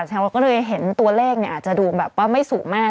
เราก็เลยเห็นตัวเลขเนี่ยอาจจะดูแบบว่าไม่สูงมาก